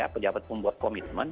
pejabat pembuat komitmen